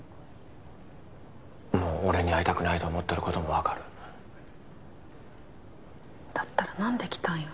もう俺に会いたくないと思っとることも分かるだったら何で来たんよ？